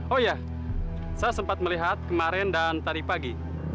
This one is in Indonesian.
oh iya saya sempat melihat kemarin dan tadi pagi